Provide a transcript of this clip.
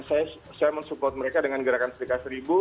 saya mensupport mereka dengan gerakan serikat seribu